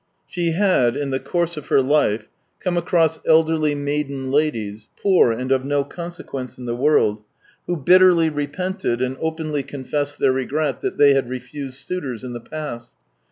She had in the course of her life come across elderly maiden ladies, poor and of no consequence in the world, who bitterly repented and openly confessed their regret that they had refused suitors in the past.